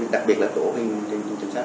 đặc biệt là tổ trên trung sát